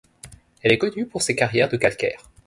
Elle est connue pour ses carrières de calcaire.